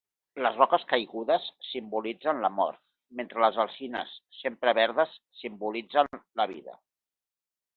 Les roques caigudes simbolitzen la mort, mentre les alzines, sempre verdes, simbolitzen la vida.